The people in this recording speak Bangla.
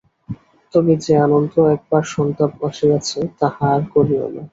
তবে যে আনন্দে একবার সন্তাপ আসিয়াছে, তাহা আর করিও না।